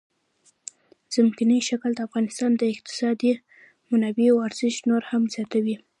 ځمکنی شکل د افغانستان د اقتصادي منابعو ارزښت نور هم زیاتوي.